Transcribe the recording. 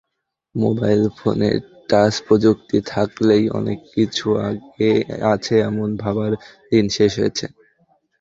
Mobile ফোনে touch প্রযুক্তি থাকলেই অনেক কিছু আছে-এমন ভাবার দিন শেষ হয়েছে।